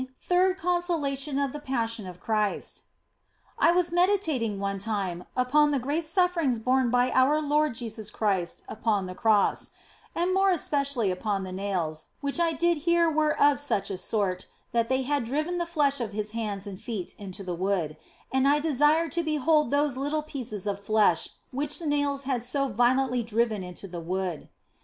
THIRD CONSOLATION OF THE PASSION OF CHRIST I WAS meditating one time upon the great sufferings borne by our Lord Jesus Christ upon the Cross, and more especially upon the nails, which I did hear were of such a sort that they had driven the flesh of the hands and feet into the wood ; and I desired to behold those little pieces of flesh which the nails had so violently driven into the wood.